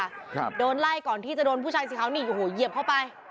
ครับโดนไล่ก่อนที่จะโดนผู้ชายสีขาวนี่โอ้โหเหยียบเข้าไป